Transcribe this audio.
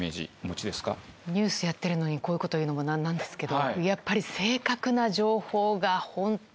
ニュースやってるのにこういうこと言うのも何なんですけどやっぱり。っていう。